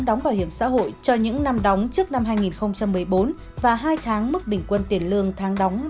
đóng bảo hiểm xã hội cho những năm đóng trước năm hai nghìn một mươi bốn và hai tháng mức bình quân tiền lương tháng đóng